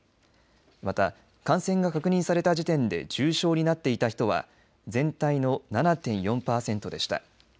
また感染が確認された時点で重症になっていた人は全体の７．４パーセントでした。